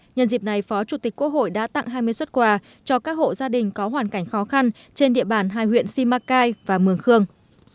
nhân dịp này phó chủ tịch quốc hội đã tặng hai mươi xuất quà cho các hộ gia đình có hoàn cảnh khó khăn trên địa bàn hai huyện simacai và mường khương